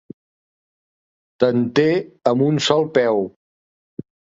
Ten-te amb un sol peu.